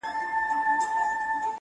د زړه ساعت كي مي پوره يوه بجه ده گراني ،